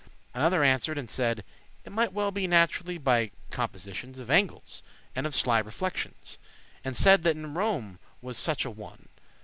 Another answer'd and said, it might well be Naturally by compositions Of angles, and of sly reflections; And saide that in Rome was such a one.